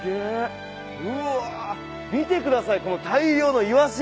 見てくださいこの大量のイワシ。